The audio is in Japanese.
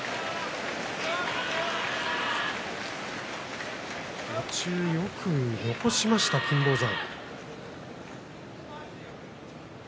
拍手途中よく残しました金峰山。